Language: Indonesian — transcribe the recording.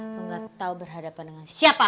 gue gak tau berhadapan dengan siapa